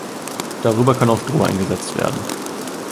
Darüber kann auch Stroh eingesetzt werden.